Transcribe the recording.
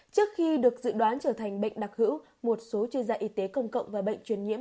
trước khi được dự đoán trở thành bệnh đặc hữu một số chuyên gia y tế công cộng và bệnh truyền nhiễm